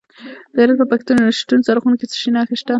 د هرات په پشتون زرغون کې څه شی شته؟